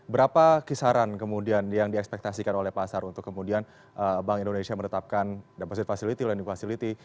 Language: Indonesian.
berapa kisaran kemudian yang diekspektasikan oleh pasar untuk kemudian bank indonesia menetapkan deposit facility learning facility